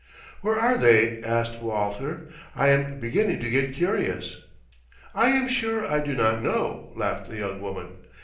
"Where are they" asked Walter. "I am beginning to get curious." "I am sure I do not know," laughed the young woman.